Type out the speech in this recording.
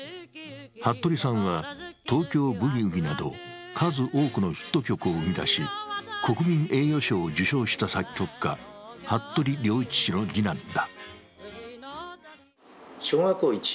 服部さんは「東京ブギウギ」など数多くのヒット曲を生み出し、国民栄誉賞を受賞した作曲家、服部良一氏の次男だ。